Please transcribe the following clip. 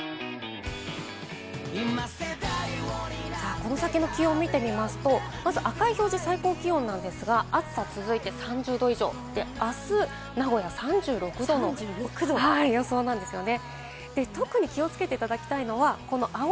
この先の気温を見てみますと、まず赤い表示、最高気温なんですが暑さ続いて３０度以上、あす名古屋３６度の予想なんですよね。